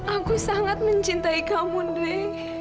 aku sangat mencintai kamu dwi